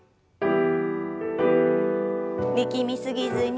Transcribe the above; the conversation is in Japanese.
力み過ぎずに。